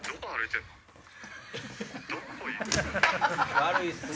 悪いっすね！